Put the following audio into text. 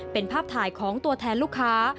เป็นภาพถ่ายของตัวแทนลูกค้า